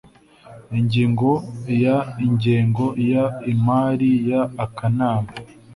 ingingo ya ingengo y imari y akanama